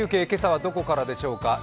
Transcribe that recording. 今朝はどこからでしょうか。